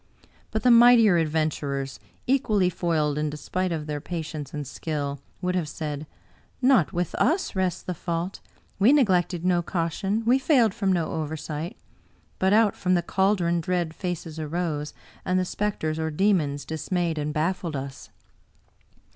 But the mightier adven turers, equally foiled in despite of their patience and skill, would have said, * Not with us rests the fault; we neglected no caution, we failed from no oversight. But out from the caldron dread faces arose, and the specters or demons dis mayed and baffled us.'